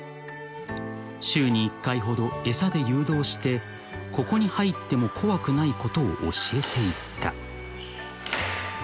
［週に１回ほど餌で誘導してここに入っても怖くないことを教えていった］